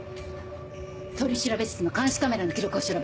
取調室の監視カメラの記録を調べて。